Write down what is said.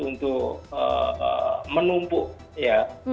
untuk menumpuk ya